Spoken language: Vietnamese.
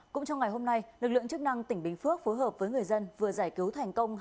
cũng trong ngày hôm nay lực lượng chức năng tỉnh bình phước phối hợp với người dân vừa giải cứu thành công